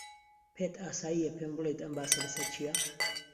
پێت ئاسایییە پێم بڵێیت ئەم باسە لەسەر چییە؟